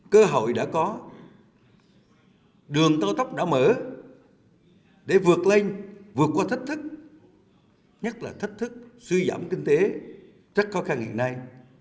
cơ hội đã có đường cao tốc đã mở để vượt lên vượt qua thách thức nhất là thách thức suy giảm kinh tế rất khó khăn hiện nay